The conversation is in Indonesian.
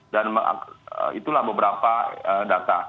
dan itulah beberapa data